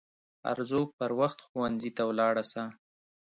ارزو پر وخت ښوونځي ته ولاړه سه